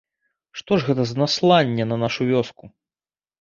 Што ж гэта за насланнё на нашу вёску?